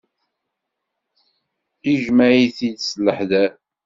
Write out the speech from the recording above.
Ijmeɛ-it-id s leḥder.